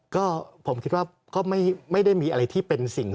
ก็ผมคิดว่าก็ไม่ได้มีอะไรที่เป็นสิ่ง